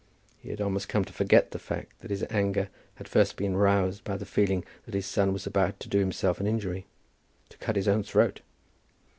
He had almost come to forget the fact that his anger had first been roused by the feeling that his son was about to do himself an injury, to cut his own throat.